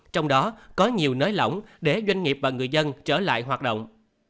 trong đó có nhiều nới lỏng để doanh nghiệp và người dân trở lại hoạt động